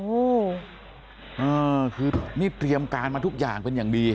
โอ้โหคือนี่เตรียมการมาทุกอย่างเป็นอย่างดี